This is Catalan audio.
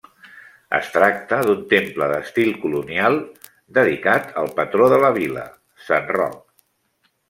Es tracta d'un temple d'estil colonial, dedicat al patró de la vila, Sant Roc.